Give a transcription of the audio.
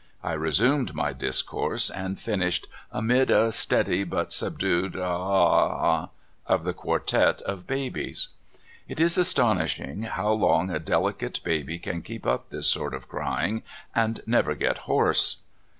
I re LOST ON TABLE MOUNTAIN. 25 sumed my discourse, and finished amid a steady but subdued a a a a a h ! of the quartet of ba bies. It is astonishing how long a delicate baby can keep up this sort of crying, and never get hoarse.